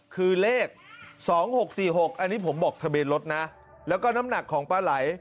คือเลข๒๖๔๖อันนี้ผมบอกทะเบียนรถนะแล้วก็น้ำหนักของปลาไหล